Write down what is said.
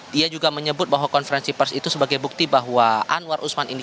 dia juga menyebut bahwa konferensi pers itu sebagai bukti bahwa anwar usman ini